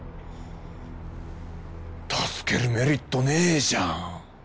助けるメリットねえじゃん！